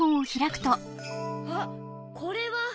あっこれは。